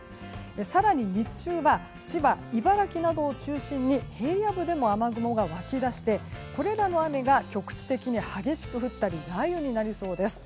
更に日中は千葉、茨城などを中心に平野部でも雨雲が湧き出してこれらの雨が局地的に激しく降ったり雷雨になりそうです。